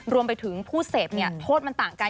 รวมไปถึงผู้เสพโทษมันต่างกัน